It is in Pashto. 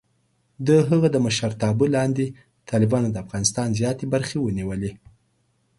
د هغه د مشرتابه لاندې، طالبانو د افغانستان زیاتې برخې ونیولې.